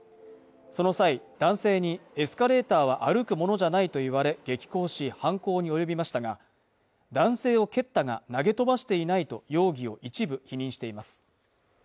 その際男性にエスカレーターは歩くものじゃないと言われ激こうし犯行に及びましたが男性を蹴ったが投げ飛ばしていないと容疑を一部否認しています